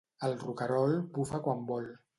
El roquerol bufa quan vol.